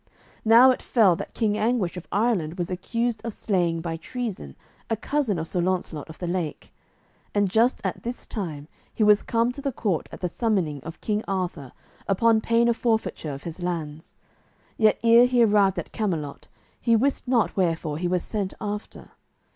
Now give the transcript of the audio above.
Now it fell that King Anguish of Ireland was accused of slaying by treason a cousin of Sir Launcelot of the Lake, and just at this time he was come to the court at the summoning of King Arthur upon pain of forfeiture of his lands; yet ere he arrived at Camelot he wist not wherefore he was sent after.